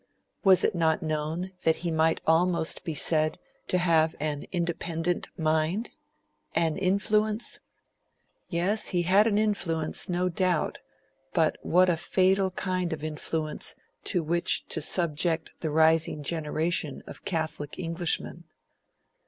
Was it not known that he might almost be said to have an independent mind? An influence? Yes, he had an influence no doubt; but what a fatal kind of influence to which to subject the rising generation of Catholic Englishmen!